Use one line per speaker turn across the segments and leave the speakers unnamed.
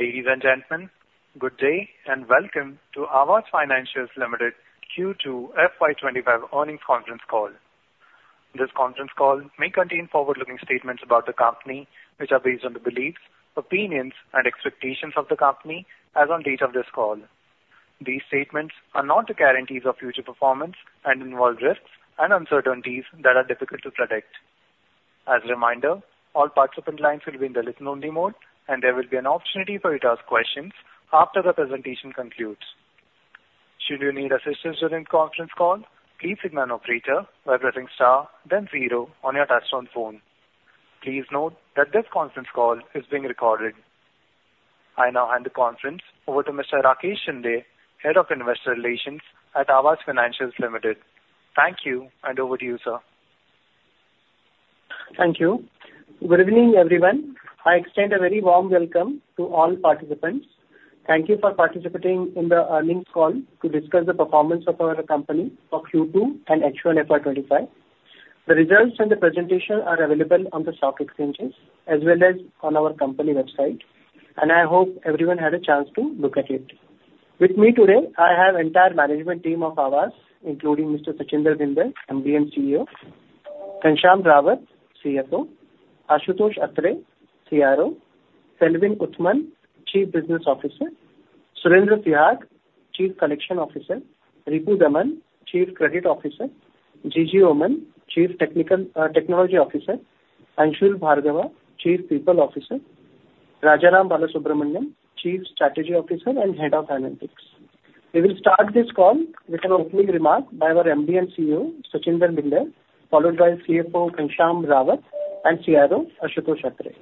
Ladies and gentlemen, good day and welcome to Aavas Financiers Limited Q2 FY25 Earnings Conference Call. This conference call may contain forward-looking statements about the company, which are based on the beliefs, opinions, and expectations of the company as on date of this call. These statements are not to guarantee the future performance and involve risks and uncertainties that are difficult to predict. As a reminder, all participant lines will be in the listen-only mode, and there will be an opportunity for you to ask questions after the presentation concludes. Should you need assistance during the conference call, please signal an operator by pressing star, then zero on your touch-tone phone. Please note that this conference call is being recorded. I now hand the conference over to Mr. Rakesh Shinde, Head of Investor Relations at Aavas Financiers Limited. Thank you, and over to you, sir.
Thank you. Good evening, everyone. I extend a very warm welcome to all participants. Thank you for participating in the earnings call to discuss the performance of our company for Q2 and H1 FY25. The results and the presentation are available on the stock exchanges as well as on our company website, and I hope everyone had a chance to look at it. With me today, I have the entire management team of Aavas, including Mr. Sachinder Bhinder, MD and CEO, Ghanshyam Rawat, CFO, Ashutosh Atre, CRO, Selvin Uthaman, Chief Business Officer, Surendra Sihag, Chief Collection Officer, Ripu Daman, Chief Credit Officer, Jijy Oommen, Chief Technology Officer, Anshul Bhargava, Chief People Officer, Rajaram Balasubramaniam, Chief Strategy Officer, and Head of Analytics. We will start this call with an opening remark by our MD and CEO, Sachinder Bhinder, followed by CFO, Ghanshyam Rawat, and CRO, Ashutosh Atre.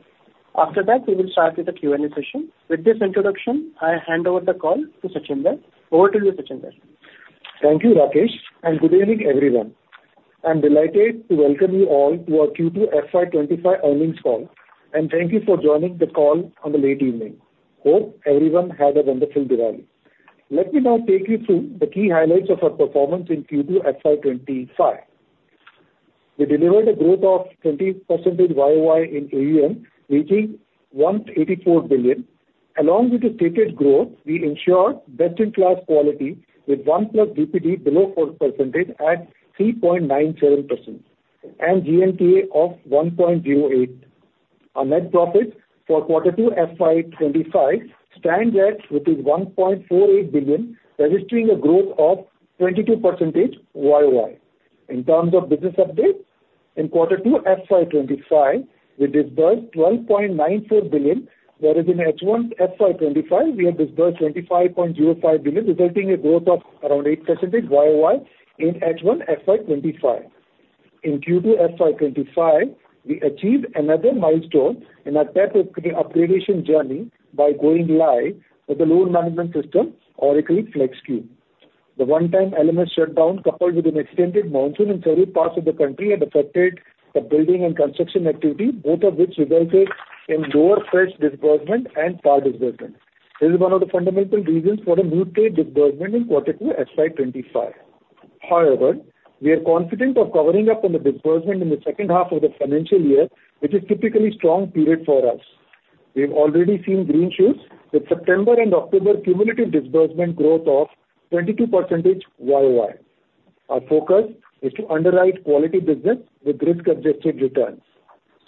After that, we will start with a Q&A session. With this introduction, I hand over the call to Sachinder. Over to you, Sachinder.
Thank you, Rakesh, and good evening, everyone. I'm delighted to welcome you all to our Q2 FY25 earnings call, and thank you for joining the call on the late evening. Hope everyone had a wonderful Diwali. Let me now take you through the key highlights of our performance in Q2 FY25. We delivered a growth of 20% YOY in AUM, reaching 184 billion. Along with the stated growth, we ensured best-in-class quality with 1+ DPD below 4% at 3.97% and GNPA of 1.08%. Our net profit for Q2 FY25 stands at rupees 1.48 billion, registering a growth of 22% YOY. In terms of business updates, in Q2 FY25, we disbursed 12.94 billion. Whereas in H1 FY25, we had disbursed 25.05 billion, resulting in a growth of around 8% YOY in H1 FY25. In Q2 FY25, we achieved another milestone in our tech upgrade journey by going live with the loan management system, Oracle Flexcube. The one-time LMS shutdown, coupled with an extended monsoon in several parts of the country had affected the building and construction activity, both of which resulted in lower fresh disbursement and core disbursement. This is one of the fundamental reasons for the muted disbursement in Q2 FY25. However, we are confident of covering up on the disbursement in the second half of the financial year, which is typically a strong period for us. We have already seen green shoots with September and October cumulative disbursement growth of 22% YOY. Our focus is to underwrite quality business with risk-adjusted returns.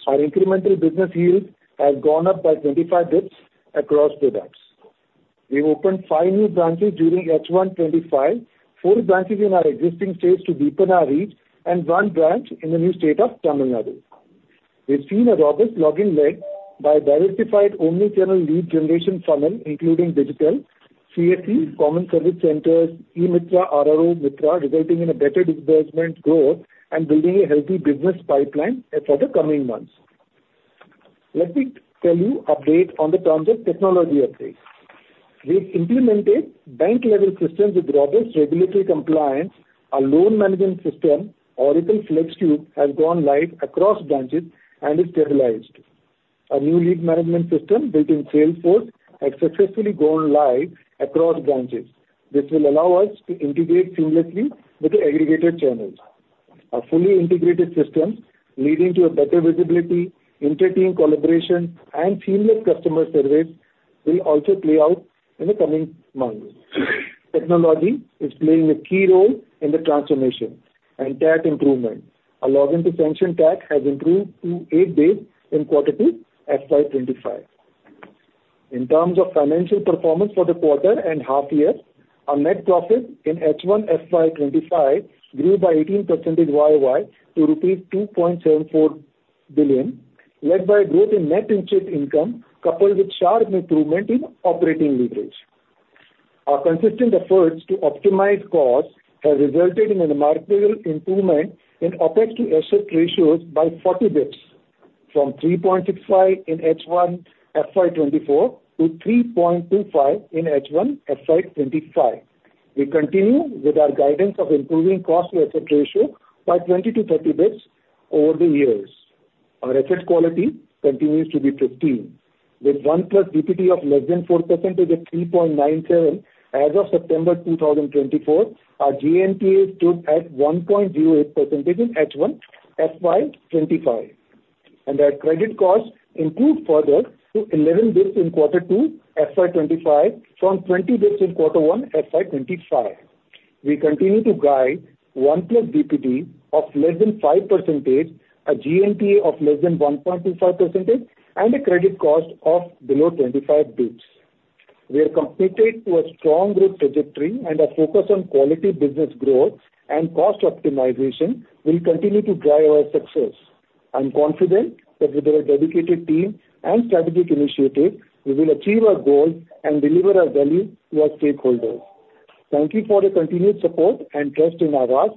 Our incremental business yields have gone up by 25 basis points across products. We opened five new branches during H1 2025, four branches in our existing states to deepen our reach, and one branch in the new state of Tamil Nadu. We've seen a robust sourcing led by a diversified omnichannel lead generation funnel, including digital CSC, Common Service Centers, e-Mitra, RO, and Mitra, resulting in a better disbursement growth and building a healthy business pipeline for the coming months. Let me give you an update in terms of technology updates. We've implemented bank-level systems with robust regulatory compliance. Our loan management system, Oracle Flexcube, has gone live across branches and is stabilized. Our new lead management system, built in Salesforce, has successfully gone live across branches. This will allow us to integrate seamlessly with the aggregated channels. Our fully integrated systems, leading to better visibility, inter-team collaboration, and seamless customer service, will also play out in the coming months. Technology is playing a key role in the transformation and tech improvement. Our time to sanction has improved to eight days in Q2 FY25. In terms of financial performance for the quarter and half year, our net profit in H1 FY25 grew by 18% YOY to rupees 2.74 billion, led by a growth in net interest income, coupled with sharp improvement in operating leverage. Our consistent efforts to optimize costs have resulted in a remarkable improvement in OpEx-to-asset ratios by 40 basis points, from 3.65% in H1 FY24 to 3.25% in H1 FY25. We continue with our guidance of improving cost-to-asset ratio by 20-30 basis points over the years. Our asset quality continues to be first, with 1+ DPD of less than 4% at 3.97%. As of September 2024, our GNPA stood at 1.08% in H1 FY25. And our credit costs improved further to 11 basis points in Q2 FY25, from 20 basis points in Q1 FY25. We continue to guide 1+ DPD of less than 5%, a GNPA of less than 1.25%, and a credit cost of below 25 basis points. We are committed to a strong growth trajectory, and our focus on quality business growth and cost optimization will continue to drive our success. I'm confident that with our dedicated team and strategic initiative, we will achieve our goals and deliver our value to our stakeholders. Thank you for the continued support and trust in Aavas.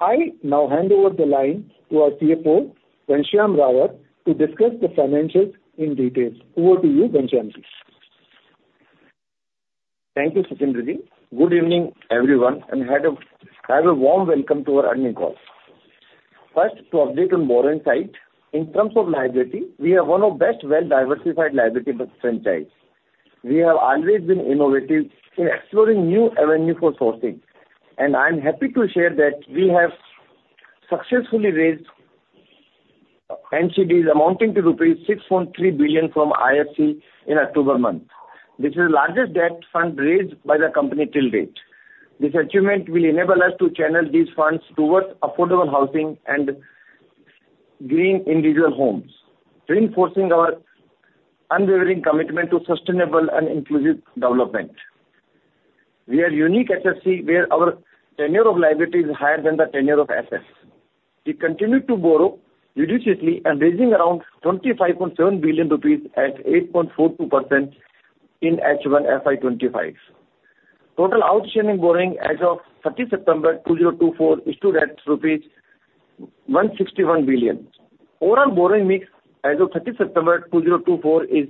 I now hand over the line to our CFO, Ghanshyam Rawat, to discuss the financials in detail. Over to you, Ghanshyam.
Thank you, Sachinderji. Good evening, everyone, and have a warm welcome to our earnings call. First, to update on borrowing side, in terms of liability, we are one of the best well-diversified liability franchises. We have always been innovative in exploring new avenues for sourcing, and I'm happy to share that we have successfully raised NCDs, amounting to rupees 6.3 billion from IFC in October month. This is the largest debt fund raised by the company till date. This achievement will enable us to channel these funds towards affordable housing and green individual homes, reinforcing our unwavering commitment to sustainable and inclusive development. We are a unique HFC where our tenure of liability is higher than the tenure of assets. We continue to borrow judiciously, raising around 25.7 billion rupees at 8.42% in H1 FY25. Total outstanding borrowing as of 30 September 2024 is to debt rupees 161 billion. Overall borrowing mix as of 30 September 2024 is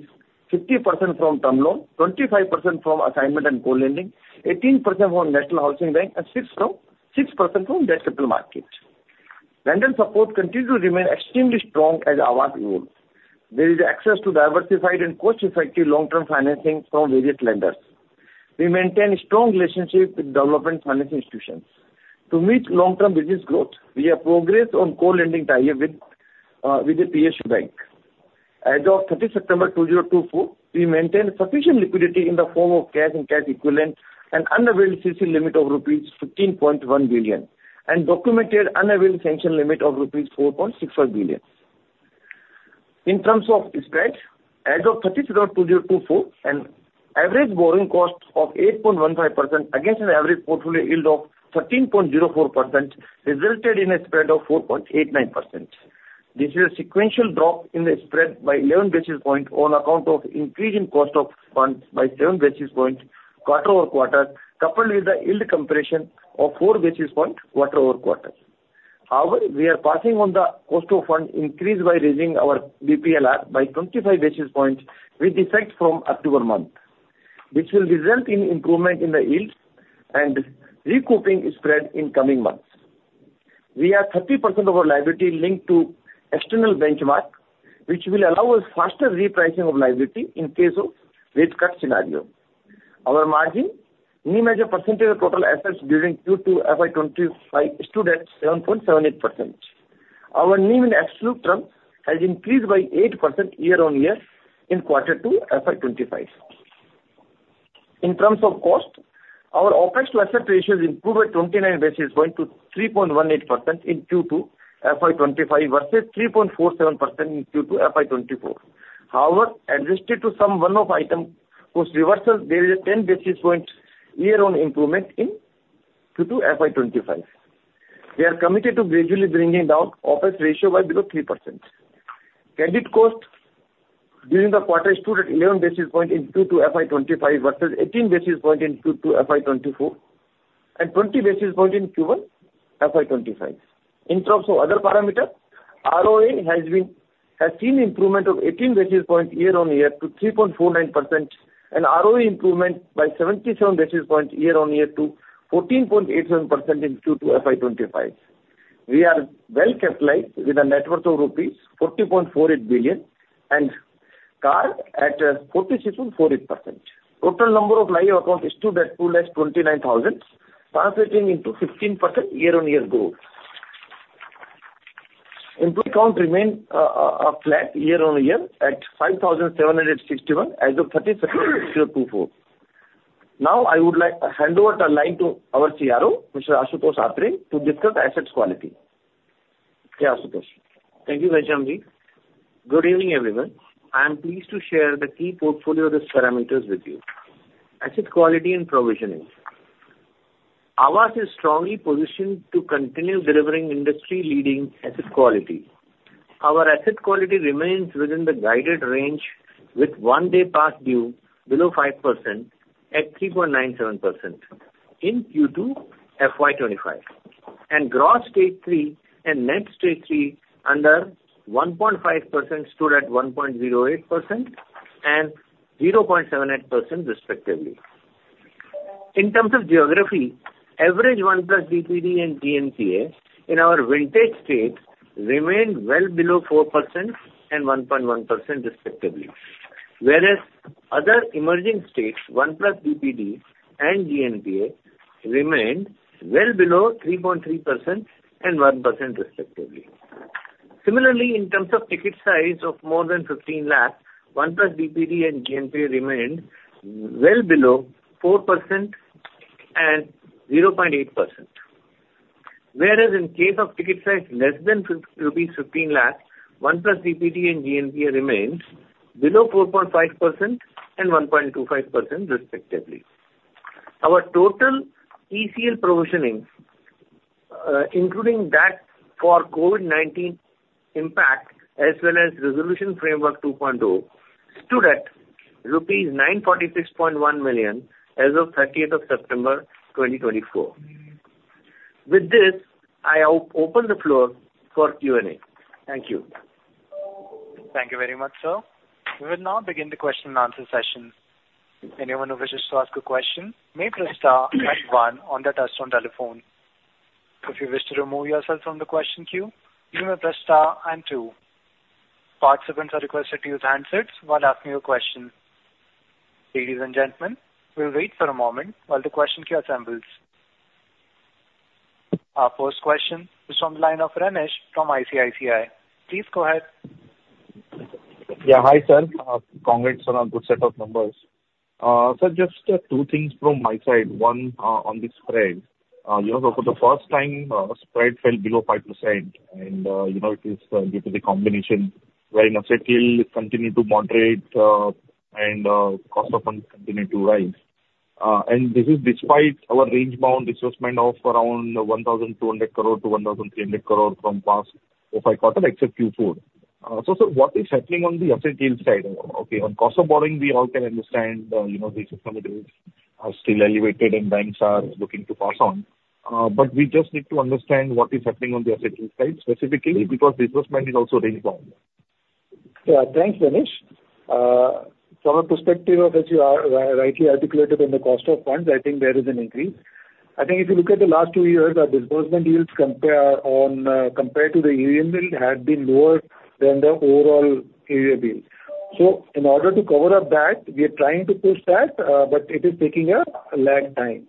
50% from term loan, 25% from assignment and co-lending, 18% from National Housing Bank, and 6% from debt capital market. Lending support continues to remain extremely strong as Aavas evolves. There is access to diversified and cost-effective long-term financing from various lenders. We maintain a strong relationship with development finance institutions. To meet long-term business growth, we have progressed on co-lending target with the PSU Bank. As of 30 September 2024, we maintain sufficient liquidity in the form of cash and cash equivalent and unavailable CC limit of rupees 15.1 billion, and documented unavailable sanction limit of rupees 4.65 billion. In terms of spread, as of 30 September 2024, an average borrowing cost of 8.15% against an average portfolio yield of 13.04% resulted in a spread of 4.89%. This is a sequential drop in the spread by 11 basis points on account of increasing cost of funds by 7 basis points quarter over quarter, coupled with the yield comparison of 4 basis points quarter over quarter. However, we are passing on the cost of fund increase by raising our BPLR by 25 basis points with effect from October month. This will result in improvement in the yields and recouping spread in coming months. We have 30% of our liability linked to external benchmarks, which will allow us faster repricing of liability in case of rate cut scenarios. Our margin, NIM as a percentage of total assets during Q2 FY25, is 7.78%. Our NIM in absolute terms has increased by 8% year on year in Q2 FY25. In terms of cost, our Opex-to-asset ratio has improved by 29 basis points to 3.18% in Q2 FY25 versus 3.47% in Q2 FY24. However, adjusted for some one-off item cost reversals, there is a 10 basis point year-on-year improvement in Q2 FY25. We are committed to gradually bringing down Opex ratio to below 3%. Credit cost during the quarter stood at 11 basis points in Q2 FY25 versus 18 basis points in Q2 FY24 and 20 basis points in Q1 FY25. In terms of other parameters, ROA has seen improvement of 18 basis points year-on-year to 3.49% and ROE improvement by 77 basis points year-on-year to 14.87% in Q2 FY25. We are well capitalized with a net worth of ₹40.48 billion and CAR at 46.48%. Total number of live accounts stood at 29,000, translating into 15% year-on-year growth. Employee count remains flat year-on-year at 5,761 as of 30 September 2024. Now, I would like to hand over the line to our CRO, Mr. Ashutosh Atre, to discuss asset quality. Hey, Ashutosh.
Thank you, Ghanshyam Ji. Good evening, everyone. I'm pleased to share the key portfolio risk parameters with you. Asset quality and provisioning. Aavas is strongly positioned to continue delivering industry-leading asset quality. Our asset quality remains within the guided range with one-day past due below 5% at 3.97% in Q2 FY25, and gross Stage 3 and net Stage 3 under 1.5% stood at 1.08% and 0.78%, respectively. In terms of geography, average one-plus DPD and GNPA in our vintage states remained well below 4% and 1.1%, respectively, whereas other emerging states, one-plus DPD and GNPA remained well below 3.3% and 1%, respectively. Similarly, in terms of ticket size of more than 15,000,000, one-plus DPD and GNPA remained well below 4% and 0.8%, whereas in case of ticket size less than rupees 15,000,000, one-plus DPD and GNPA remained below 4.5% and 1.25%, respectively. Our total ECL provisioning, including that for COVID-19 impact as well as resolution framework 2.0, stood at 946.1 million rupees as of 30 September 2024. With this, I open the floor for Q&A. Thank you.
Thank you very much, sir. We will now begin the question-and-answer session. Anyone who wishes to ask a question may press star and one on the touch-tone telephone. If you wish to remove yourself from the question queue, you may press star and two. Participants are requested to use handsets while asking your question. Ladies and gentlemen, we'll wait for a moment while the question queue assembles. Our first question is from the line of Renish from ICICI. Please go ahead.
Yeah, hi, sir. Congrats on a good set of numbers. Sir, just two things from my side. One, on the spread. For the first time, spread fell below 5%, and it is due to the combination. Right? Asset yield continued to moderate, and cost of funds continued to rise. And this is despite our range-bound assessment of around 1,200 crore to 1,300 crore from past quarter except Q4. So, sir, what is happening on the asset yield side? Okay, on cost of borrowing, we all can understand the asset commitments are still elevated, and banks are looking to pass on. But we just need to understand what is happening on the asset yield side, specifically, because disbursement is also range-bound.
Yeah, thanks, Renish. From a perspective of, as you rightly articulated, in the cost of funds, I think there is an increase. I think if you look at the last two years, our disbursement yields compared to the yield had been lower than the overall AUM yield. So, in order to cover up that, we are trying to push that, but it is taking a lag time.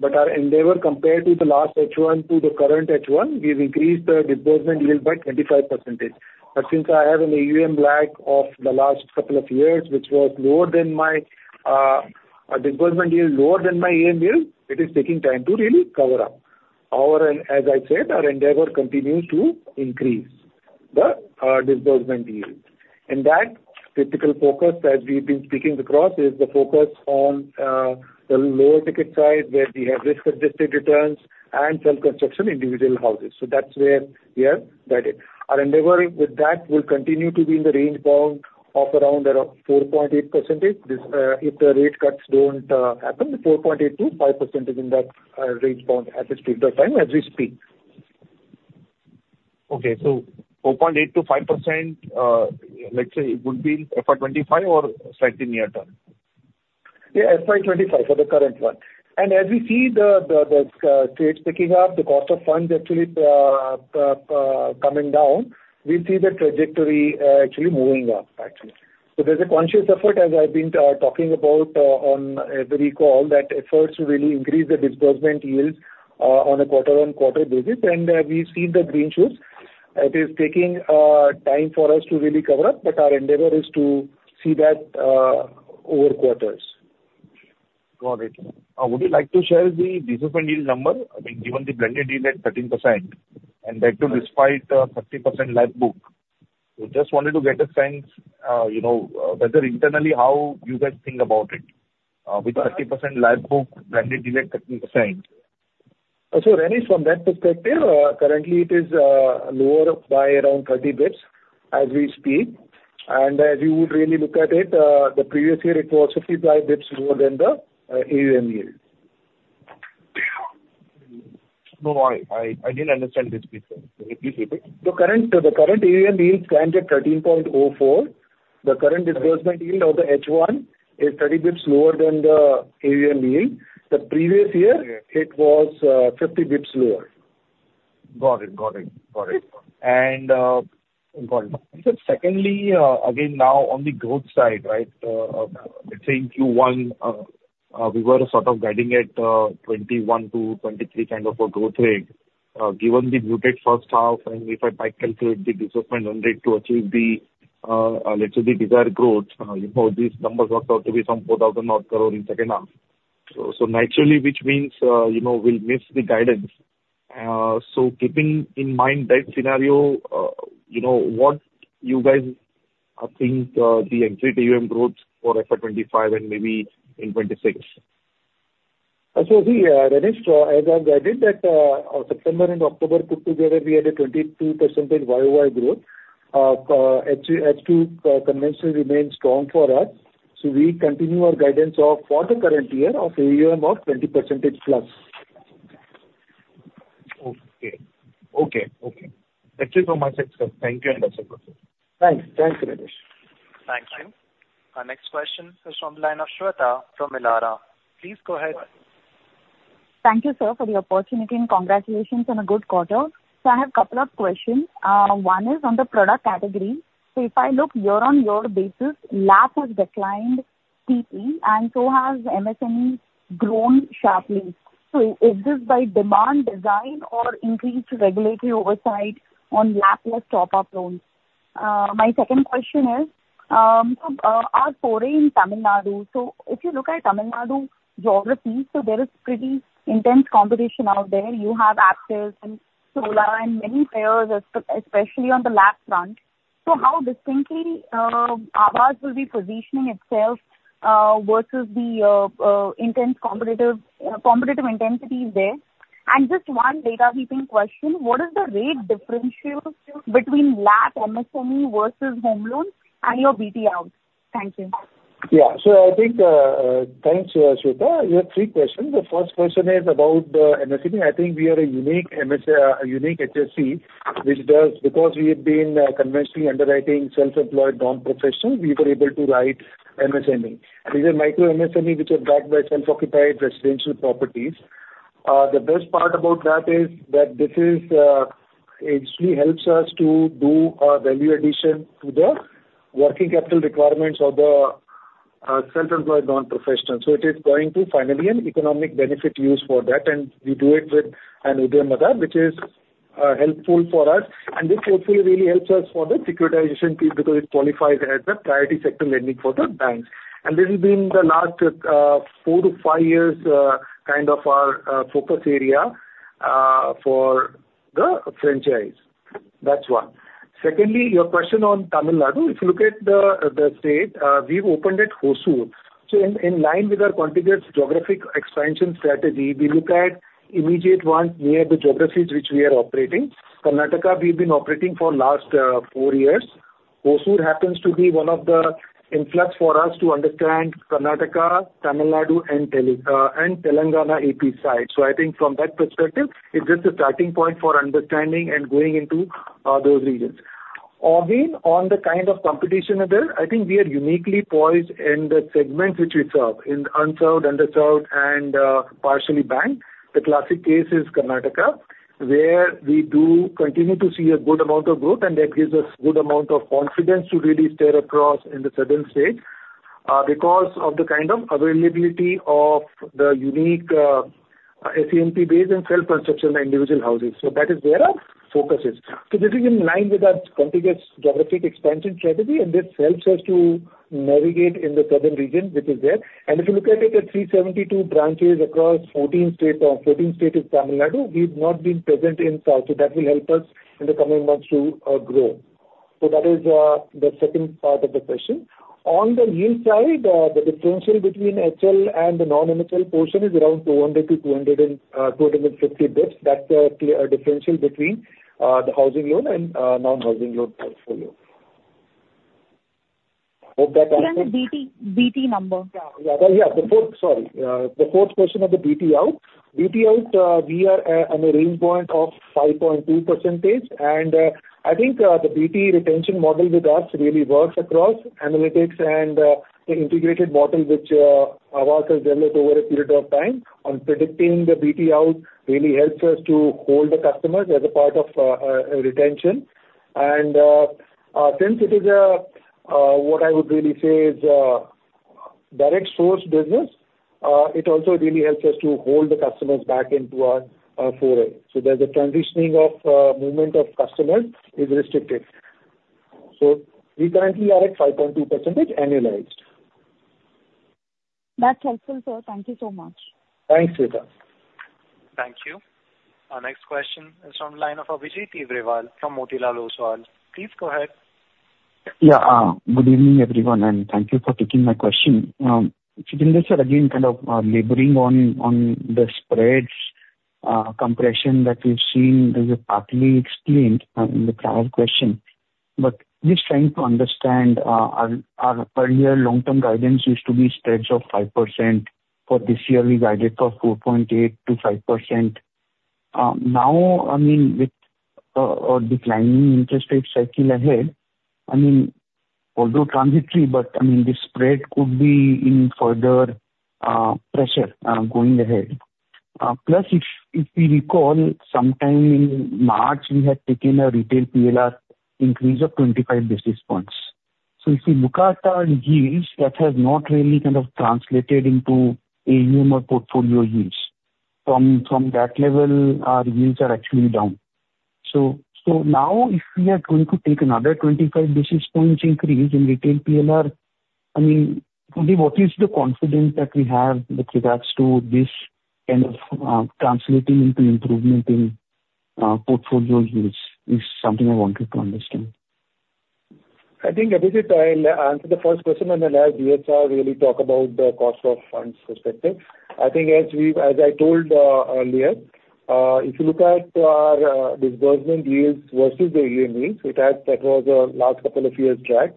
But our endeavor, compared to the last H1 to the current H1, we've increased the disbursement yield by 25%. But since I have a lag of the last couple of years, which was lower than my disbursement yield, lower than my yield, it is taking time to really cover up. However, as I said, our endeavor continues to increase the disbursement yield. And that critical focus, as we've been speaking across, is the focus on the lower ticket side where we have risk-adjusted returns and self-construction individual houses so that's where we have guided. Our endeavor with that will continue to be in the range-bound of around 4.8% if the rate cuts don't happen, 4.8%-5% in that range-bound as it is at the time as we speak.
Okay, so 4.8%-5%, let's say it would be FY25 or slightly near-term?
Yeah, FY25 for the current one. And as we see the trades picking up, the cost of funds actually coming down, we see the trajectory actually moving up, actually. So there's a conscious effort, as I've been talking about on every call, that efforts to really increase the disbursement yield on a quarter-on-quarter basis and we've seen the green shoots. It is taking time for us to really cover up, but our endeavor is to see that over quarters.
Got it. Would you like to share the disbursement yield number? I mean, given the blended yield at 13% and that too despite the 30% live book. We just wanted to get a sense, whether internally, how you guys think about it with 30% live book, blended yield at 13%?
Renish, from that perspective, currently, it is lower by around 30 basis points as we speak. And as you would really look at it, the previous year, it was 55 basis points lower than the yield.
No worries. I didn't understand this piece. Please repeat.
The current yield stands at 13.04%. The current disbursement yield of the H1 is 30 basis points lower than the yield. The previous year, it was 50 basis points lower.
Got it. Got it. Got it. And secondly, again, now on the growth side, right? Let's say in Q1, we were sort of guiding at 21%-23% kind of a growth rate. Given the muted first half, and if I calculate the disbursement rate to achieve the, let's say, the desired growth, these numbers worked out to be some 4,000 crore in the second half. So, naturally, which means we'll miss the guidance. So, keeping in mind that scenario, what do you guys think the exit growth for FY25 and maybe in 2026?
So, Renish, as I've guided that September and October put together, we had a 22% YOY growth. H2 conviction remains strong for us. So, we continue our guidance for the current year of 20% plus.
Okay. That's it from my side, sir. Thank you, and that's it.
Thanks. Thanks, Renish.
Thank you. Our next question is from the line of Shweta from Elara. Please go ahead.
Thank you, sir, for the opportunity and congratulations on a good quarter. So, I have a couple of questions. One is on the product category. So, if I look year-on-year basis, LAP has declined steeply, and so has MSME grown sharply. So, is this by demand design? or increased regulatory oversight on LAP-less top-up loans? My second question is, our foray in Tamil Nadu so, if you look at Tamil Nadu geography, there is pretty intense competition out there you have Aptus and Chola and many players, especially on the LAP front. So, how distinctly Aavas will be positioning itself versus the intense competitive intensity there? And just one data-keeping question what is the rate differential between LAP, MSME versus home loans and your BTL? Thank you.
Yeah, sir, I think thanks, Shweta. You have three questions the first question is about MSME i think we are a unique HSC, which does, because we have been conventionally underwriting self-employed non-professional, we were able to write MSME. These are micro MSME, which are backed by self-occupied residential properties. The best part about that is that this actually helps us to do a value addition to the working capital requirements of the self-employed non-professional so, it is going to finally an economic benefit use for that, and we do it with a Udyam, which is helpful for us. And this, hopefully, really helps us for the securitization piece because it qualifies as a priority sector lending for the banks. And this has been the last four to five years kind of our focus area for the franchise. That's one. Secondly, your question on Tamil Nadu, if you look at the state, we've opened at Hosur. So, in line with our contiguous geographic expansion strategy, we look at immediate ones near the geographies which we are operating. Karnataka, we've been operating for the last four years. Hosur happens to be one of the influx for us to understand Karnataka, Tamil Nadu, and Telangana AP side so, I think from that perspective, it's just a starting point for understanding and going into those regions. Again, on the kind of competition there, I think we are uniquely poised in the segments which we serve, in unserved, underserved, and partially banked. The classic case is Karnataka, where we do continue to see a good amount of growth, and that gives us a good amount of confidence to really start across in the southern states. Because of the kind of availability of the unique SEMP-based and self-construction individual houses. So, that is where our focus is.
So, this is in line with our contiguous geographic expansion strategy, and this helps us to navigate in the southern region, which is there. And if you look at it, there are 372 branches across 14 states of Tamil Nadu we've not been present in South, so that will help us in the coming months to grow. So, that is the second part of the question. On the yield side, the differential between HL and the non-MSL portion is around 200-250 basis points that's the differential between the housing loan and non-housing loan portfolio. Hope that answers.
And the BT number?
Yeah, yeah, the fourth, sorry. The fourth question of the BT out. BT out, we are at an arrangement of 5.2%, and I think the BT retention model with us really works across analytics and the integrated model which Aavas has developed over a period of time on predicting the BT out really helps us to hold the customers as a part of retention. And since it is what I would really say is direct source business, it also really helps us to hold the customers back into our foray. So, there's a transitioning of movement of customers is restricted. So, we currently are at 5.2% annualized.
That's helpful, sir. Thank you so much.
Thanks, Shweta.
Thank you. Our next question is from the line of Abhijit Tibrewal from Motilal Oswal. Please go ahead.
Yeah, good evening, everyone, and thank you for taking my question. Shinde sir, again, kind of elaborating on the spreads compression that we've seen is partly explained in the prior question. But just trying to understand, our earlier long-term guidance used to be spreads of 5%. For this year, we guided for 4.8%-5%. Now, I mean, with our declining interest rate cycle ahead, I mean, although transitory, but I mean, this spread could be in further pressure going ahead. Plus, if we recall, sometime in March, we had taken a retail PLR increase of 25 basis points. So, if you look at our yields, that has not really kind of translated into AUM or portfolio yields. From that level, our yields are actually down. So, now, if we are going to take another 25 basis points increase in retail PLR, I mean, what is the confidence that we have with regards to this kind of translating into improvement in portfolio yields is something I wanted to understand.
I think, Abhijit, I'll answer the first question, and then as we really talk about the cost of funds perspective. I think, as I told earlier, if you look at our disbursement yields versus the yields, that was a last couple of years' track.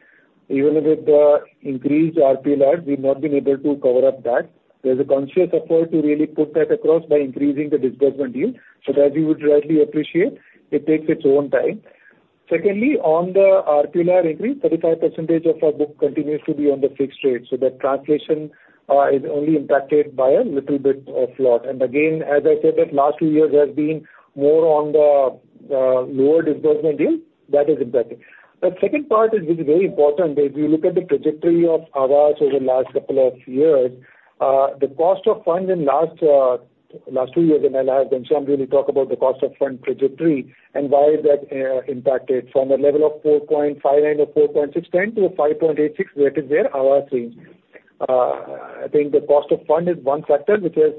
Even with the increased RPLR, we've not been able to cover up that. There's a conscious effort to really put that across by increasing the disbursement yield. But as you would rightly appreciate, it takes its own time. Secondly, on the RPLR increase, 35% of our book continues to be on the fixed rate so, that translation is only impacted by a little bit of flaw, and again, as I said, that last two years has been more on the lower disbursement yields. That is impacted. The second part is very important if you look at the trajectory of Aavas over the last couple of years. The cost of funds in the last two years and I'll have Ghanshyam really talk about the cost of fund trajectory and why is that impacted from a level of 4.59% or 4.69% to 5.86%, that is where Aavas is. I think the cost of fund is one factor, which is.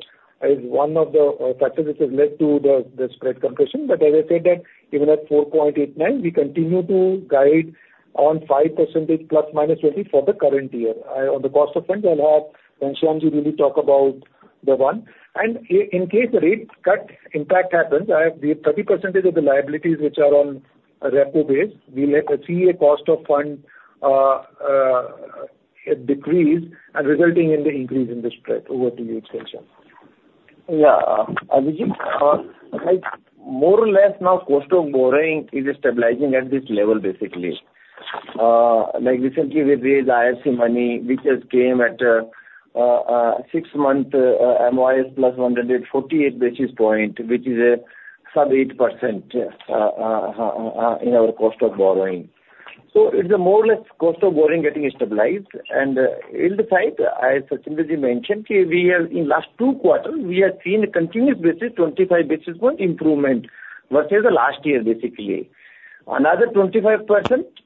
One of the factors which has led to the spread compression but as I said, even at 4.89%, we continue to guide on 5% plus minus 20 for the current year. On the cost of funds, I'll have Ghanshyam really talk about the one. And in case the rate cut impact happens, we have 30% of the liabilities which are on repo base. We see a cost of fund decrease and resulting in the increase in the spread over two years.
Yeah. Abhijit, more or less now, cost of borrowing is stabilizing at this level, basically. Like recently, we raised IFC money, which just came at a six-month MIBOR plus 148 basis point, which is a sub 8% in our cost of borrowing.
So, it's more or less cost of borrowing getting stabilized. And on the yield side, as Shinde mentioned, we have in the last two quarters, we have seen on a continuous basis, 25 basis point improvement versus the last year, basically. Another 25%,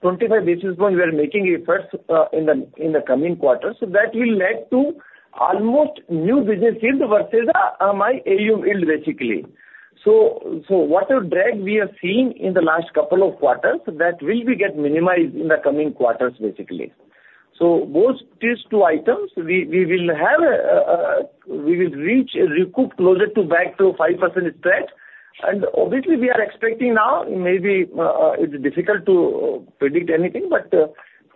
25 basis point, we are making efforts in the coming quarters so, that will lead to almost new business yield versus my AUM yield, basically. So, whatever drag we have seen in the last couple of quarters, that will be minimized in the coming quarters, basically. So, both these two items, we will reach a recoup closer to back to 5% spread. Obviously, we are expecting now, maybe it's difficult to predict anything, but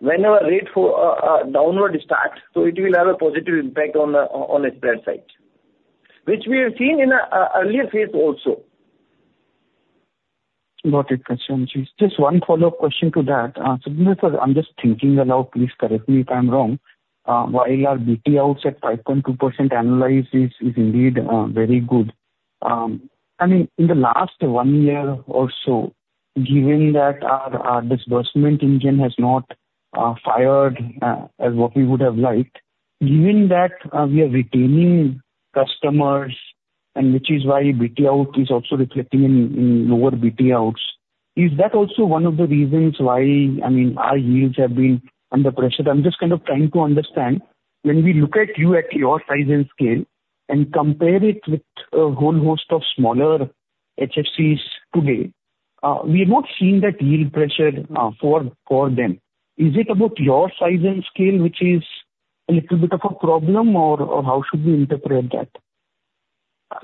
whenever rate downward starts, so it will have a positive impact on the spread side, which we have seen in an earlier phase also.
Got it, Shinde. Just one follow-up question to that. Shinde sir, I'm just thinking aloud please correct me if I'm wrong. While our BT out at 5.2% annualized is indeed very good. I mean, in the last one year or so, given that our disbursement engine has not fired as what we would have liked, given that we are retaining customers, and which is why BT out is also reflecting in lower BT outs. Is that also one of the reasons why, I mean, our yields have been under pressure? I'm just kind of trying to understand. When we look at you at your size and scale and compare it with a whole host of smaller HFCs today, we have not seen that yield pressure for them. Is it about your size and scale, which is a little bit of a problem? or how should we interpret that?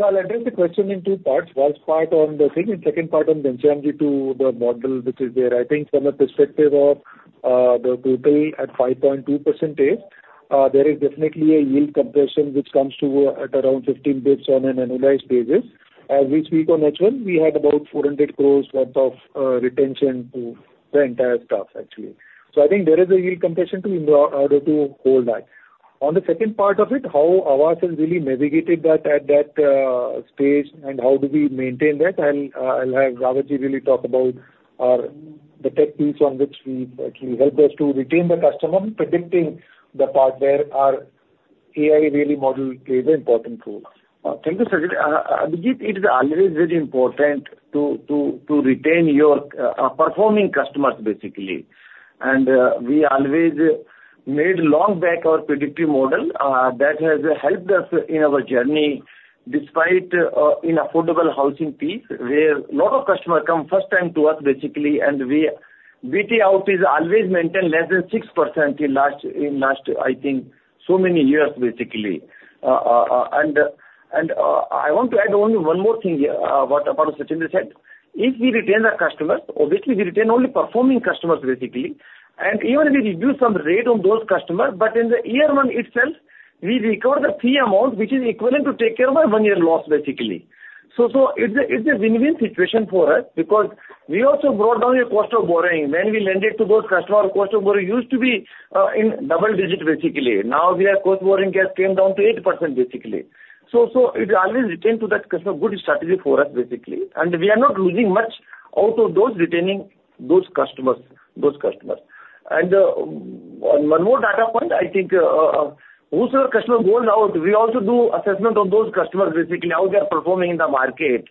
I'll address the question in two parts first part on the thing and second part on Ghanshyam due to the model which is there i think from the perspective of the total at 5.2%, there is definitely a yield compression which comes to at around 15 basis points on an annualized basis. As we speak on H1, we had about 400 crores worth of retention to the entire staff, actually. So, I think there is a yield compression to be in order to hold that. On the second part of it, how Aavas has really navigated that at that stage and how do we maintain that, I'll have Ravatji really talk about the tech piece on which we actually help us to retain the customer, predicting the part where our AI really model plays an important role.
Thank you, Shinde. Abhijit, it is always very important to retain your performing customers, basically. And we always made long back our predictive model that has helped us in our journey despite inaffordable housing piece where a lot of customers come first time to us, basically. And BT out is always maintained less than 6% in last, I think, so many years, basically. And I want to add only one more thing about what Shinde said. If we retain the customers, obviously, we retain only performing customers, basically. And even if we reduce some rate on those customers, but in the year one itself, we recover the fee amount, which is equivalent to take care of our one-year loss, basically. So, it's a win-win situation for us because we also brought down your cost of borrowing. When we lend it to those customers, cost of borrowing used to be in double digit, basically now, we have cost borrowing has come down to 8%, basically. So, it always retains to that customer good strategy for us, basically. And we are not losing much out of those retaining those customers. And one more data point, I think, whosoever customer goes out, we also do assessment on those customers, basically, how they are performing in the market.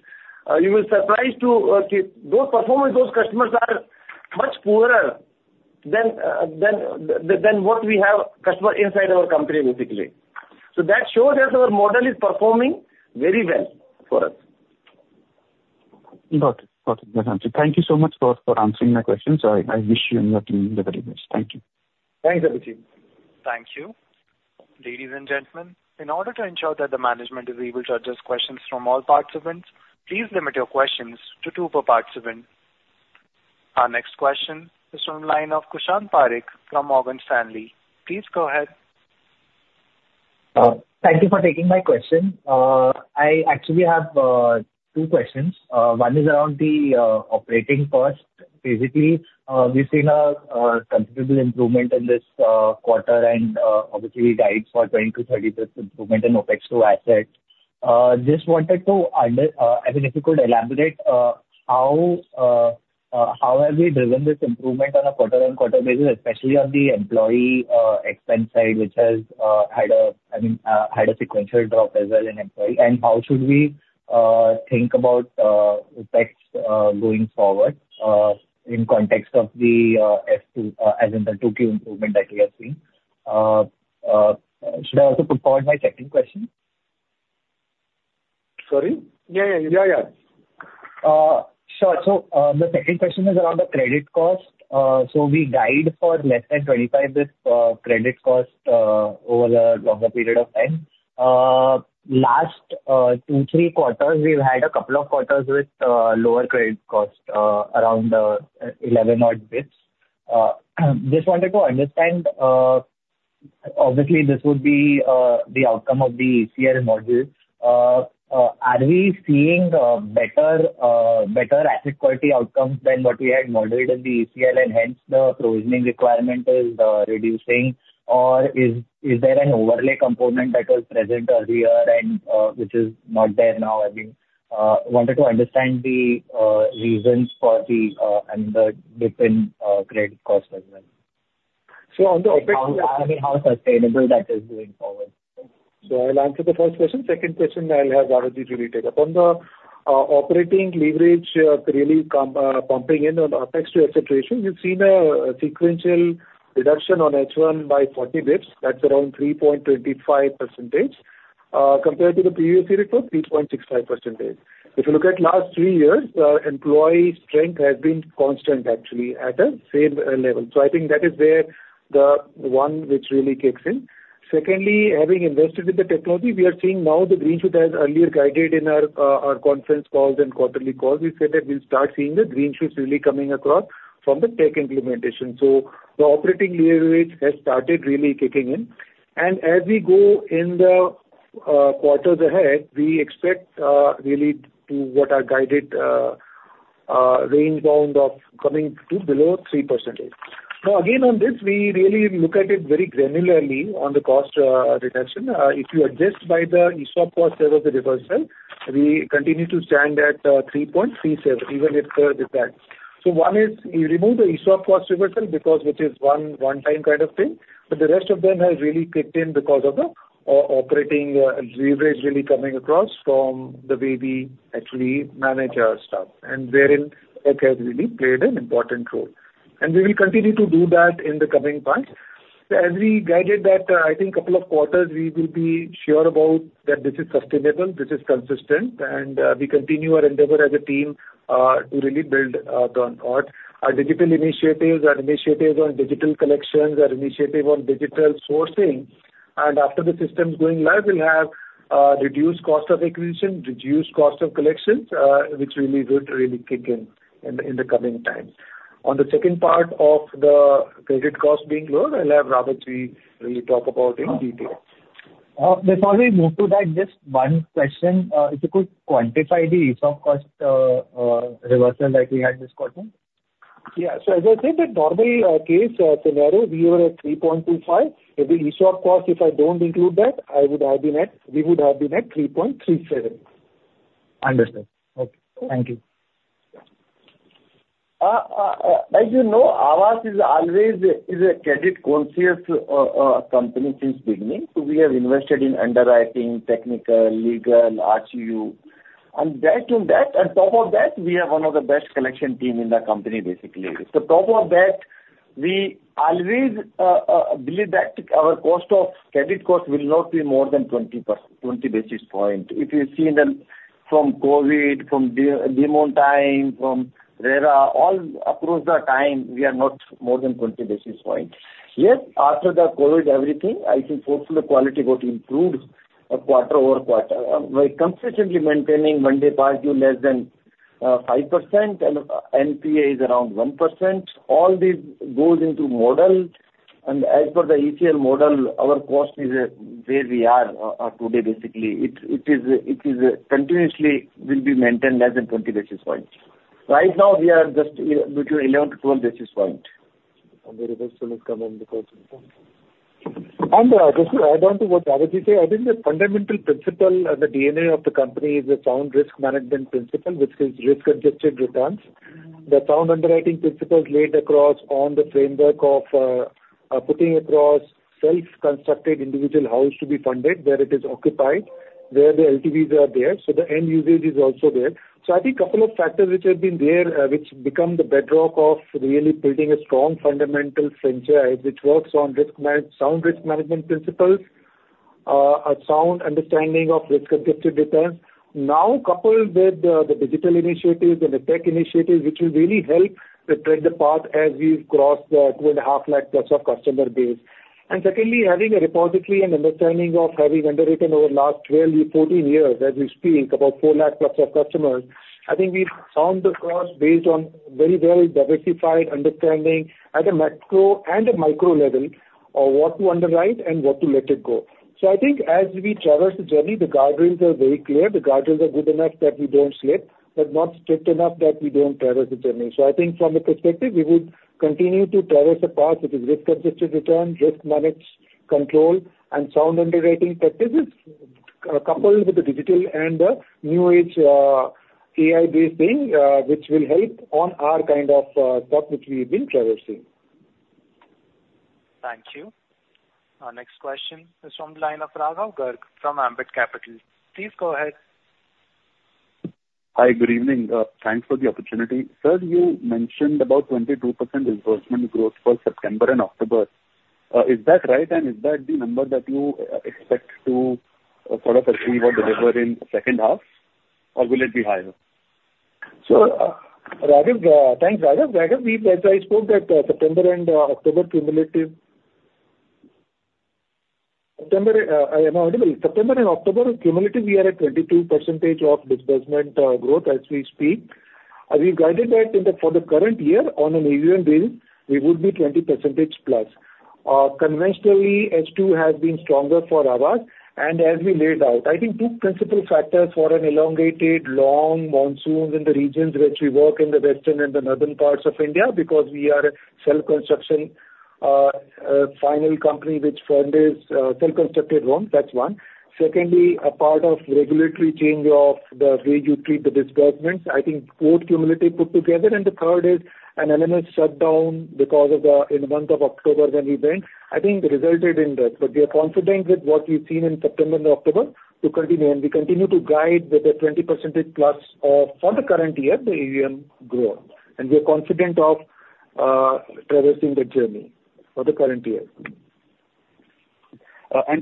You will surprise to see those performance, those customers are much poorer than what we have customers inside our company, basically. So, that shows us our model is performing very well for us.
Got it. Got it, Vensham. Thank you so much for answering my questions i wish you and your team the very best. Thank you.
Thanks, Abhijit.
Thank you. Ladies and gentlemen, in order to ensure that the management is able to address questions from all participants, please limit your questions to two per participant. Our next question is from the line of Kushan Parikh from Morgan Stanley. Please go ahead.
Thank you for taking my question. I actually have two questions. One is around the operating cost. Basically, we've seen a considerable improvement in this quarter, and obviously, we guide for 20%-30% improvement in OpEx to assets. Just wanted to, I mean, if you could elaborate how? have we driven this improvement on a quarter-on-quarter basis, especially on the employee expense side, which has had a sequential drop as well in employee and how should we? think about OpEx going forward in context of the Q2, as in the 2Q improvement that we have seen? Should I also put forward my second question?
Sorry? Yeah, yeah, yeah, yeah.
Sure. So, the second question is around the credit cost. So, we guide for less than 25 basis points credit cost over a longer period of time. Last two, three quarters, we've had a couple of quarters with lower credit cost around 11 odd basis points. Just wanted to understand, obviously, this would be the outcome of the ECL module. Are we seeing better asset quality outcomes than what we had modeled in the ECL, and hence the provisioning requirement is reducing, or is there an overlay component that was present earlier and which is not there now? I mean, wanted to understand the reasons for the different credit cost as well. On the OpEx side. I mean, how sustainable that is going forward?
I'll answer the first question. Second question, I'll have Ravaji take it. On the operating leverage really pumping in on Opex to asset ratio, we've seen a sequential reduction on H1 by 40 basis points that's around 3.25%. Compared to the previous year, it was 3.65%. If you look at last three years, employee strength has been constant, actually, at a same level. I think that is where the one which really kicks in. Secondly, having invested in the technology, we are seeing now the green shoot as earlier guided in our conference calls and quarterly calls we said that we'll start seeing the green shoots really coming across from the tech implementation. The operating leverage has started really kicking in. As we go in the quarters ahead, we expect really to what are guided range bound of coming to below 3%. Now, again, on this, we really look at it very granularly on the cost reduction. If you adjust by the ESOP cost reversal, we continue to stand at 3.37, even if curved with that, so one is we remove the ESOP cost reversal because, which is one-time kind of thing, but the rest of them have really kicked in because of the operating leverage really coming across from the way we actually manage our staff, and wherein OpEx has really played an important role. And we will continue to do that in the coming time. As we guided that, I think a couple of quarters, we will be sure about that this is sustainable, this is consistent, and we continue our endeavor as a team to really build on our digital initiatives, our initiatives on digital collections, our initiative on digital sourcing. And after the systems going live, we'll have reduced cost of acquisition, reduced cost of collections, which really would kick in in the coming times. On the second part of the credit cost being low, I'll have Rawatji really talk about in detail.
Before we move to that, just one question. If you could quantify the ESOP cost reversal that we had this quarter?
Yeah. So, as I said, the normal case scenario, we were at 3.25%. If the ESOP cost, if I don't include that, we would have been at 3.37%.
Understood. Okay. Thank you.
As you know, Aavas is always a credit-conscious company since beginning. So, we have invested in underwriting, technical, legal, RCU. And back to that, on top of that, we have one of the best collection teams in the company, basically so, top of that, we always believe that our cost of credit cost will not be more than 20 basis point if you see from COVID, from demonetization time, from RERA, all across the time, we are not more than 20 basis point. Yet, after the COVID, everything, I think hopefully the quality got improved quarter over quarter. We're consistently maintaining one day past due less than 5%, and NPA is around 1%. All these goes into model. And as per the ECL model, our cost is where we are today, basically. It is continuously will be maintained less than 20 basis point. Right now, we are just between 11 to 12 basis points.
The reversal is coming because of that.
I don't know what Ravaji said i think the fundamental principle and the DNA of the company is the sound risk management principle, which is risk-adjusted returns. The sound underwriting principles laid across on the framework of putting across self-constructed individual house to be funded where it is occupied, where the LTVs are there so, the end usage is also there. I think a couple of factors which have been there, which become the bedrock of really building a strong fundamental franchise, which works on sound risk management principles, a sound understanding of risk-adjusted returns. Now, coupled with the digital initiatives and the tech initiatives, which will really help to tread the path as we've crossed the 2.5 lakh plus of customer base. And secondly, having a repository and understanding of having underwritten over the last 12-14 years, as we speak, about 4 lakh plus of customers, I think we've found across based on very well diversified understanding at a macro and a micro level of what to underwrite and what to let it go. So, I think as we traverse the journey, the guardrails are very clear the guardrails are good enough that we don't slip, but not strict enough that we don't traverse the journey so, I think from the perspective, we would continue to traverse a path which is risk-adjusted return, risk management control, and sound underwriting practices, coupled with the digital and the new age AI-based thing, which will help on our kind of stuff which we have been traversing.
Thank you. Our next question is from the line of Raghav Garg from Ambit Capital. Please go ahead.
Hi, good evening. Thanks for the opportunity. Sir, you mentioned about 22% disbursement growth for September and October. Is that right? And is that the number that you expect to sort of achieve or deliver in the second half, or will it be higher?
So, Raghav, thanks, Raghav. Raghav, as I spoke that September and October cumulative, we are at 22% of disbursement growth as we speak. We've guided that for the current year on an AUM basis, we would be 20% plus. Conventionally, H2 has been stronger for Aavas, and as we laid out, I think two principal factors for an elongated long monsoon in the regions which we work in the western and the northern parts of India because we are a self-construction finance company which funds self-constructed homes. That's one. Secondly, a part of regulatory change of the way you treat the disbursements, I think both cumulative put together and the third is an element shutdown because of the month of October when we went. I think it resulted in that but we are confident with what we've seen in September and October to continue we continue to guide with the 20% plus for the current year, the AUM growth. We are confident of traversing the journey for the current year.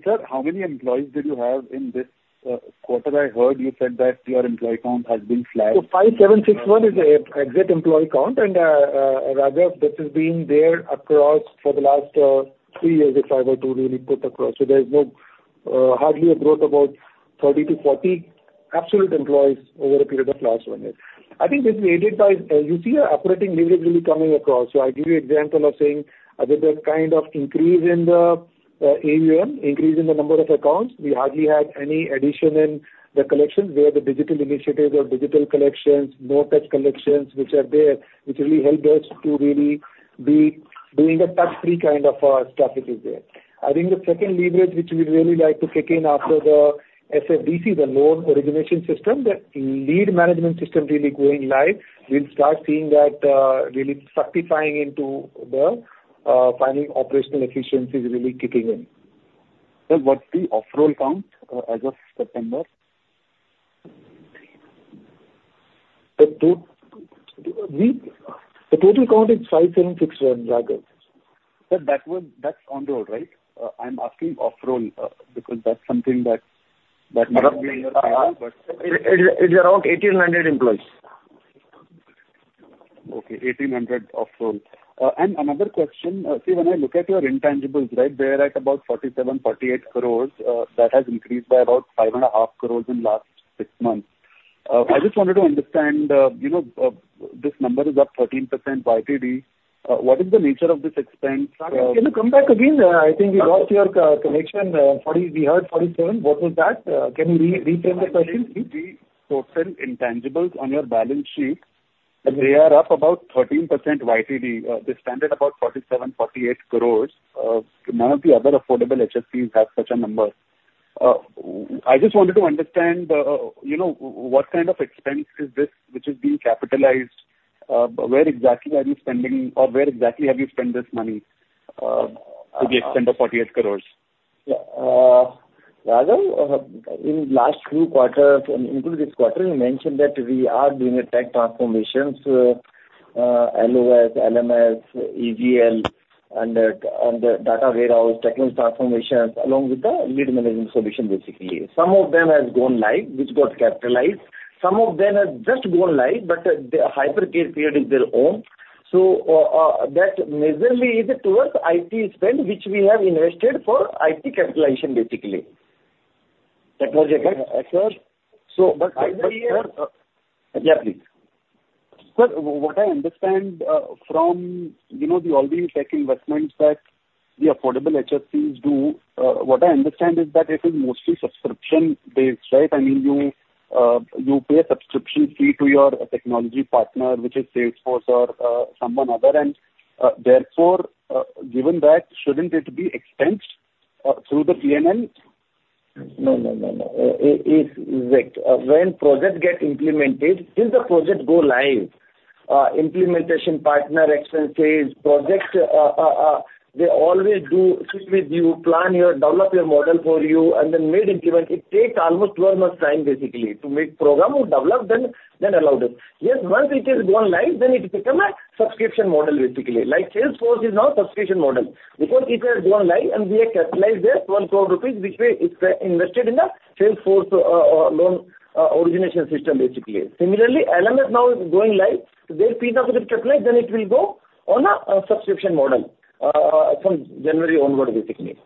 Sir, how many employees did you have in this quarter? I heard you said that your employee count has been flat.
5761 is the exit employee count. And Raghav, this has been there across for the last three years, if I were to really put across there's hardly a growth about 30-40 absolute employees over a period of last one year. I think this is aided by, you see, our operating leverage really coming across i'll give you an example of saying with the kind of increase in the AUM, increase in the number of accounts, we hardly had any addition in the collections where the digital initiatives or digital collections, no-touch collections, which are there, which really helped us to really be doing a touch-free kind of stuff which is there. I think the second leverage which we'd really like to kick in after the SFDC, the loan origination system, the lead management system really going live, we'll start seeing that really sucking into the final operational efficiencies really kicking in.
Sir, what's the off-roll count as of September?
The total count is 5761, Raghav.
Sir, that's on-role, right? I'm asking off-role, because that's something that may not be in your file, but.
It's around 1800 employees.
Okay, 1800 off-role and another question. See, when I look at your intangibles, right? They're at about 47-48 crores. That has increased by about 5.5 crores in the last six months. I just wanted to understand. This number is up 13% YTD. What is the nature of this expense?
Raghav, can you come back again? I think we lost your connection. We heard 47 what was that? Can you reframe the question?
Intangibles on your balance sheet, they are up about 13% YTD. They're standing at about 47-48 crore. None of the other affordable HFCs have such a number. I just wanted to understand what kind of expense is this which is being capitalized? Where exactly are you spending, or where exactly have you spent this money to the extent of 48 crore?
Yeah. Raghav, in last two quarters, and including this quarter, you mentioned that we are doing a tech transformation, so LOS, LMS, EGL, and data warehouse, technology transformations, along with the lead management solution, basically some of them have gone live, which got capitalized. Some of them have just gone live, but the hypercare period is their own. So, that majorly is towards IT spend, which we have invested for IT capitalization, basically.
Technology access?
So, but I believe.
Yeah, please.
Sir, what I understand from the all-new tech investments that the affordable HSPs do, what I understand is that it is mostly subscription-based, right? I mean, you pay a subscription fee to your technology partner, which is Salesforce or some other. And therefore, given that, shouldn't it be expensed through the P&L?
No, no, no, no. It's exact. When projects get implemented, till the project go live, implementation partner expenses, projects, they always do sit with you, plan your, develop your model for you, and then made implement it takes almost 12 months' time, basically, to make program develop, then allow this.
Yes, once it has gone live, then it becomes a subscription model, basically like Salesforce is now a subscription model. Because it has gone live, and we have capitalized the 12 crore rupees which we invested in the Salesforce loan origination system, basically. Similarly, LMS now is going live. Their fees have been capitalized, then it will go on a subscription model from January onward, basically.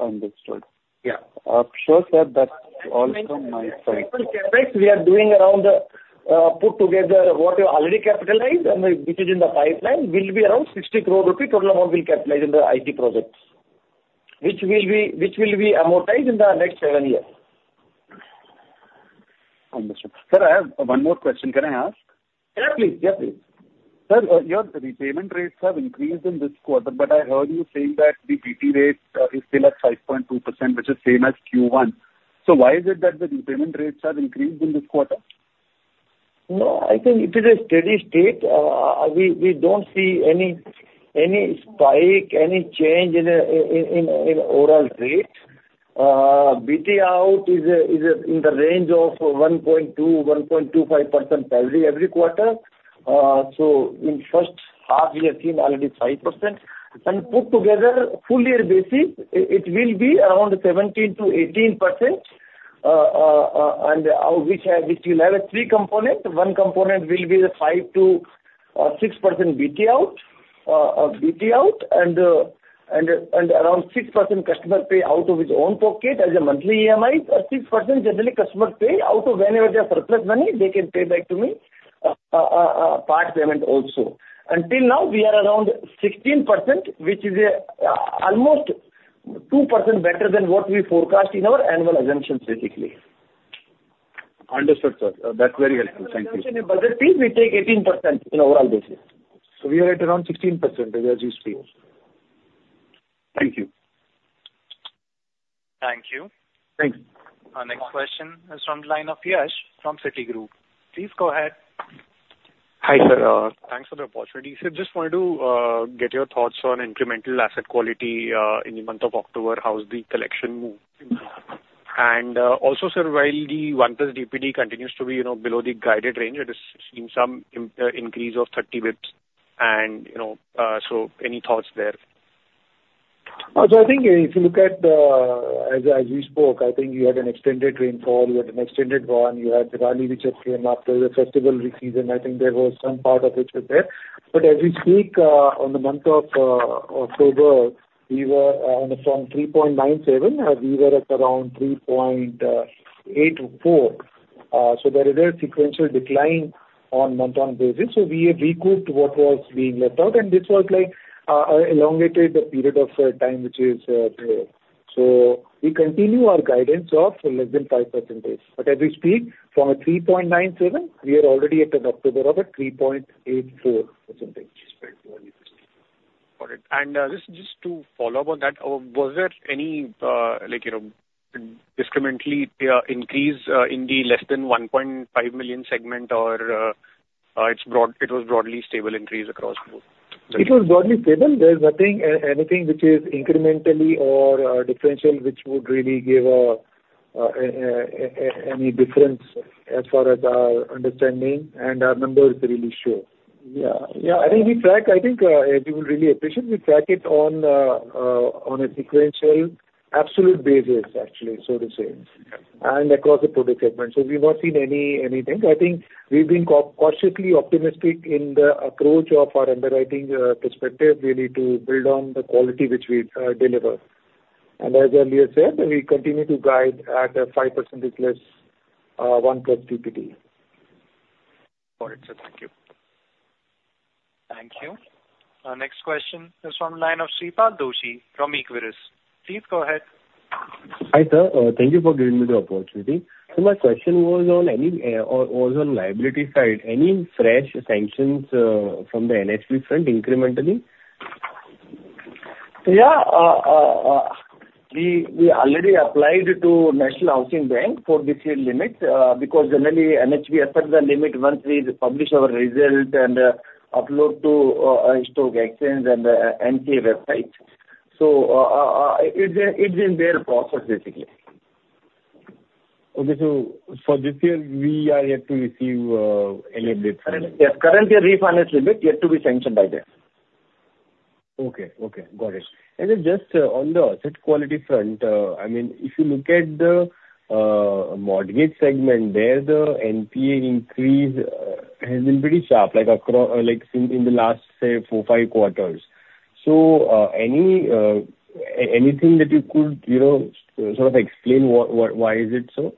Understood. Yeah. Sure, sir. That's all from my side.
We are doing around, put together what we have already capitalized, and which is in the pipeline, will be around 60 crore rupees total amount we'll capitalize in the IT projects, which will be amortized in the next seven years.
Understood. Sir, I have one more question. Can I ask?
Yeah, please. Yeah, please.
Sir, your repayment rates have increased in this quarter, but I heard you saying that the BT rate is still at 5.2%, which is same as Q1. So, why is it that the repayment rates have increased in this quarter?
No, I think it is a steady state. We don't see any spike, any change in overall rate. BT out is in the range of 1.2-1.25% every quarter. So, in the first half, we have seen already 5%. And put together, full year basis, it will be around 17-18%, which will have three components one component will be the 5-6% BT out, and around 6% customer pay out of his own pocket as a monthly EMI 6% generally customer pay out of whenever they have surplus money, they can pay back to me part payment also. Until now, we are around 16%, which is almost 2% better than what we forecast in our annual assumptions, basically.
Understood, sir. That's very helpful. Thank you.
Please take 18% in overall basis.
We are at around 16% as you speak. Thank you.
Thank you.
Thanks.
Our next question is from the line of Yash from Citigroup. Please go ahead.
Hi, sir. Thanks for the opportunity. Sir, just wanted to get your thoughts on incremental asset quality in the month of October, how's the collection move? And also, sir, while the 1+ DPD continues to be below the guided range, I just seen some increase of 30 basis points. And so, any thoughts there?
I think if you look at the, as we spoke, I think you had an extended rainfall you had an extended run. You had the rally which had came after the festival season i think there was some part of which was there. But as we speak, in the month of October, we were from 3.97%, we were at around 3.84%. There is a sequential decline on month-on basis we have recouped what was being left out, and this was like an elongated period of time which is there. We continue our guidance of less than 5%. As we speak, from a 3.97%, we are already at an October of a 3.84%.
Got it. And just to follow up on that, was there any discernible increase in the less than 1.5 million segment, or it was broadly stable increase across both?
It was broadly stable there's nothing, anything which is incrementally or differential which would really give any difference as far as our understanding. And our number is really sure. Yeah. Yeah, I think we track, I think as you will really appreciate, we track it on a sequential absolute basis, actually, so to say, and across the project segment so, we've not seen anything i think we've been cautiously optimistic in the approach of our underwriting perspective, really to build on the quality which we deliver. And as earlier said, we continue to guide at a 5% or less 1+ DPD.
Got it, sir. Thank you.
Thank you. Our next question is from the line of Shreepal Doshi from Equirus. Please go ahead.
Hi, sir. Thank you for giving me the opportunity. So, my question was on liability side any fresh sanctions from the NHB front incrementally?
Yeah. We already applied to National Housing Bank for this limit because generally NHB accepts the limit once we publish our results and upload to BSE and NSE websites. So, it's in their process, basically.
Okay. So, for this year, we are yet to receive any of this?
Yes. Currently, refinance limit yet to be sanctioned by them.
Okay. Okay. Got it. And just on the asset quality front, I mean, if you look at the mortgage segment, there the NPA increase has been pretty sharp, like in the last, say, four, five quarters. So, anything that you could sort of explain why is it so?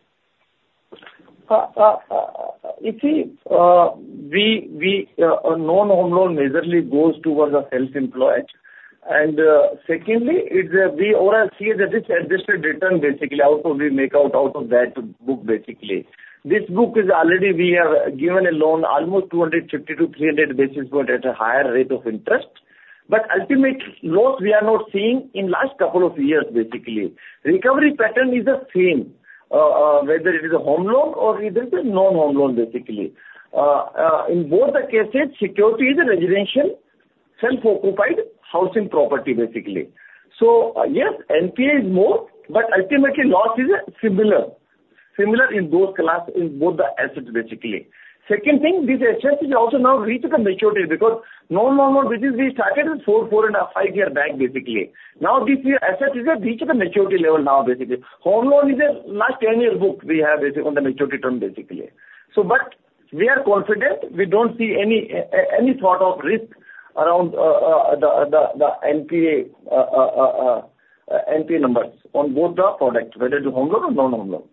You see, a non-home loan majorly goes towards a self-employed. And secondly, we overall see that this adjusted return, basically, out of we make out of that book, basically. This book is already we have given a loan almost 250-300 basis points at a higher rate of interest. But ultimate loss we are not seeing in the last couple of years, basically. Recovery pattern is the same, whether it is a home loan or it is a non-home loan, basically. In both the cases, security is a residential self-occupied housing property, basically. So, yes, NPA is more, but ultimately loss is similar. Similar in both the assets, basically. Second thing, this asset is also now reached the maturity because non-home loan, which is we started four and a half, five years back, basically. Now this asset is reached the maturity level now, basically. Home loan is a last 10-year book we have on the maturity term, basically. So, but we are confident. We don't see any sort of risk around the NPA numbers on both the product, whether it's a home loan or non-home loan.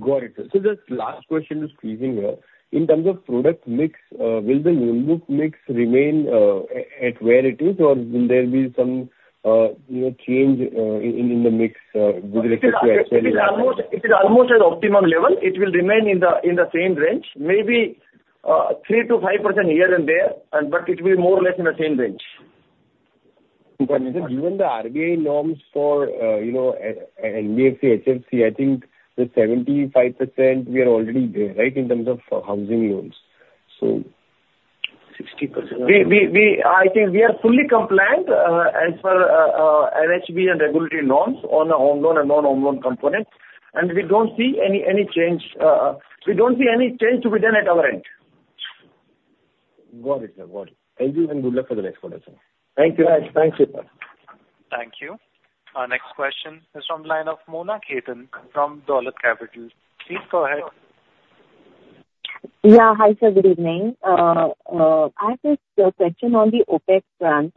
Got it. Sir, just last question, just squeezing here. In terms of product mix, will the new book mix remain at where it is, or will there be some change in the mix with respect to actually?
It is almost at optimum level it will remain in the same range, maybe 3%-5% here and there, but it will be more or less in the same range.
Given the RBI norms for NBFC, HFC, I think the 75% we are already there, right, in terms of housing loans. So.
60%. I think we are fully compliant as per NHB and regulatory norms on the home loan and non-home loan components, and we don't see any change. We don't see any change to be done at our end.
Got it. Got it. Thank you and good luck for the next quarter, sir.
Thank you. Thank you.
Thank you. Our next question is from the line of Mona Khetan from Dolat Capital. Please go ahead.
Yeah. Hi, sir. Good evening. I have a question on the OpEx grant.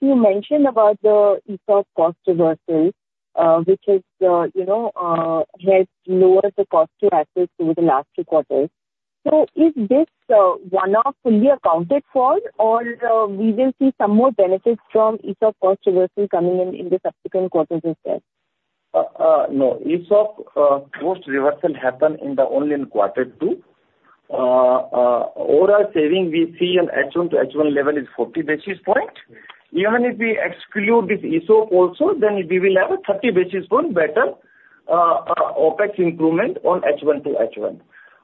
You mentioned about the ESOP cost reversal, which has lowered the cost to assets over the last two quarters. So, is this one-off fully accounted for? or we will see some more benefits from ESOP cost reversal coming in in the subsequent quarters instead?
No, ESOP cost reversal happened in the only quarter two. Overall saving we see on H1 to H1 level is 40 basis points. Even if we exclude this ESOP also, then we will have a 30 basis points better OPEX improvement on H1 to H1.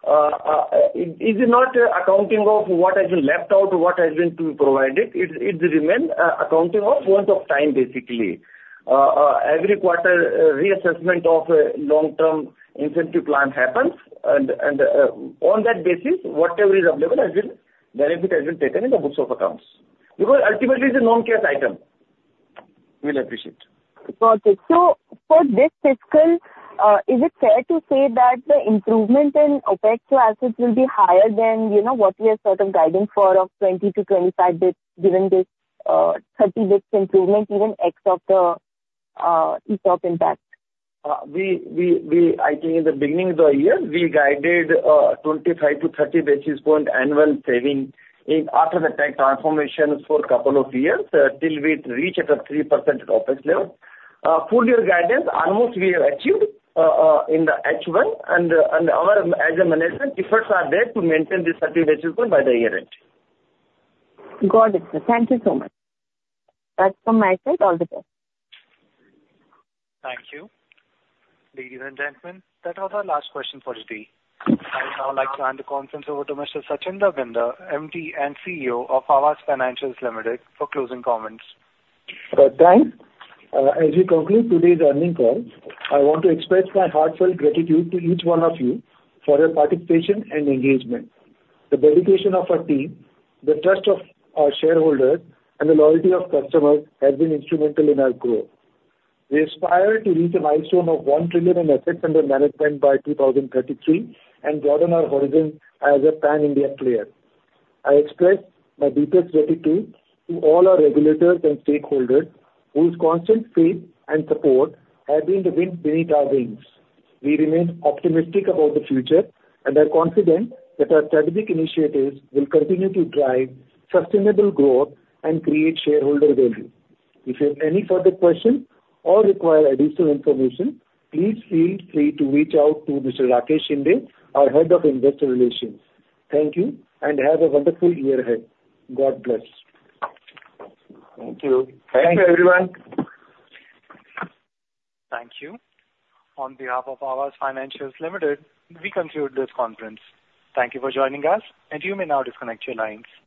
It is not accounting of what has been left out, what has been provided it remains accounting of point of time, basically. Every quarter, reassessment of long-term incentive plan happens, and on that basis, whatever is available, benefit has been taken in the books of accounts. Because ultimately, it's a non-cash item. We'll appreciate it.
Got it. So, for this fiscal, is it fair to say that the improvement in OpEx to assets will be higher than what we are sort of guiding for of 20-25 basis points given this 30 basis points improvement, even ex of the ESOP impact?
I think in the beginning of the year, we guided 25-30 basis points annual saving after the tech transformation for a couple of years till we reached at a 3% Opex level. Full year guidance, almost we have achieved in the H1. And as a management, efforts are there to maintain this 30 basis points by the year end.
Got it, sir. Thank you so much. That's from my side. All the best.
Thank you. Ladies and gentlemen, that was our last question for today. I would now like to hand the conference over to Mr. Sachinder Bhinder, MD and CEO of Aavas Financiers Limited, for closing comments.
Thanks. As we conclude today's earnings call, I want to express my heartfelt gratitude to each one of you for your participation and engagement. The dedication of our team, the trust of our shareholders, and the loyalty of customers has been instrumental in our growth. We aspire to reach a milestone of one trillion in assets under management by 2033 and broaden our horizons as a pan-India player. I express my deepest gratitude to all our regulators and stakeholders whose constant faith and support have been the wind beneath our wings. We remain optimistic about the future and are confident that our strategic initiatives will continue to drive sustainable growth and create shareholder value. If you have any further questions or require additional information, please feel free to reach out to Mr. Rakesh Shinde, our Head of Investor Relations. Thank you and have a wonderful year ahead. God bless. Thank you.
Thank you, everyone.
Thank you. On behalf of Aavas Financiers Limited, we conclude this conference. Thank you for joining us, and you may now disconnect your lines.